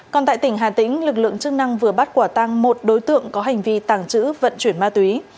còn tại tỉnh hà tĩnh lực lượng chức năng vừa bắt quả tăng một đối tượng có hành vi tàng trữ vận chuyển ma túy